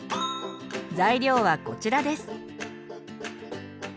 材料はこちらです。